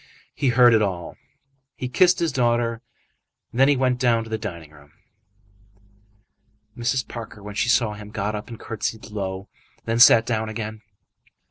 He heard it all; kissed his daughter, and then went down to the dining room. Mrs. Parker, when she saw him, got up, and curtsied low, and then sat down again.